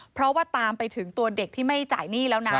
เพราะว่าตามไปถึงตัวเด็กที่ไม่จ่ายหนี้แล้วนะ